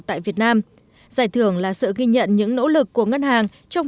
tại việt nam giải thưởng là sự ghi nhận những nỗ lực của ngân hàng trong